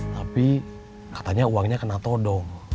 tapi katanya uangnya kena todong